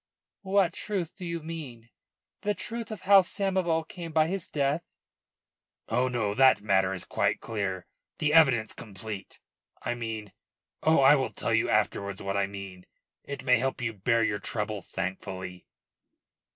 "What truth do you mean? The truth of how Samoval came by his death?" "Oh, no. That matter is quite clear, the evidence complete. I mean oh, I will tell you afterwards what I mean. It may help you to bear your trouble, thankfully."